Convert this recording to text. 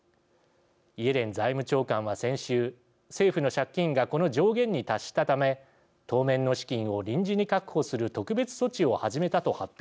イエレン財務長官は先週政府の借金がこの上限に達したため当面の資金を臨時に確保する特別措置を始めたと発表。